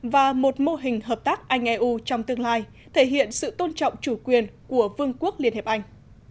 và một mô hình hợp tác anh eu trong tương lai thể hiện sự tôn trọng chủ quyền của vương quốc liên hiệp anh